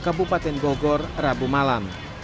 kabupaten bogor rabu malam